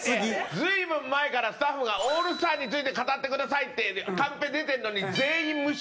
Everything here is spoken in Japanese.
随分前からスタッフが「オールスターについて語ってください」ってカンペ出てるのに、全員無視。